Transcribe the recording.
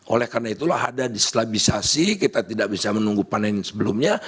oleh karena itulah ada dislabisasi kita tidak bisa menunggu panen sebelumnya